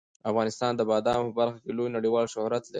افغانستان د بادامو په برخه کې لوی نړیوال شهرت لري.